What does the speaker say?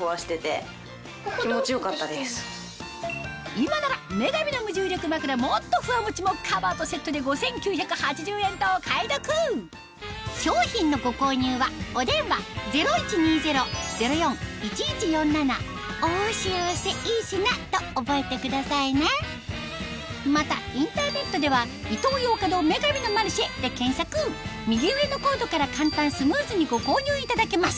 今なら女神の無重力まくらＭｏｔｔｏＦｕｗａＭｏｃｈｉもカバーとセットで５９８０円とお買い得商品のご購入はお電話０１２０−０４−１１４７と覚えてくださいねまたインターネットでは右上のコードから簡単スムーズにご購入いただけます